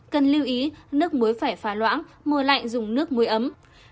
cần lưu ý nước muối phải phá loãng mưa lạnh dùng nước muối ấm